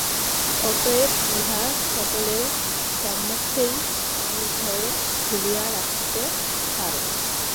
অতএব ইহা সকলের সম্মূখেই নির্ভয়ে খুলিয়া রাখিতে পারো।